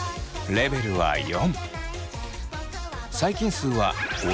レベルは５。